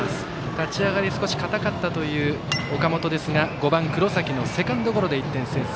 立ち上がり、少しかたかったという岡本ですが、５番、黒崎のセカンドゴロで１点先制。